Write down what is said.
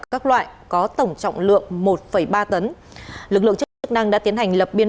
các loại có tổng trọng lượng một ba tấn